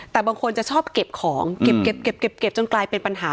แต่บางคนจะชอบเก็บของเก็บจนกลายเป็นปัญหา